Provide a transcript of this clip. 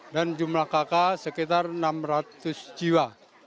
dan jumlah kakak sekitar enam ratus jiwa